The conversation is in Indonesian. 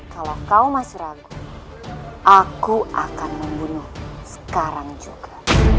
kalau kau masih ragu aku akan membunuh sekarang juga